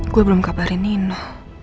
gue belum kabarin nino